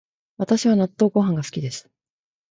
私は納豆ご飯が好きです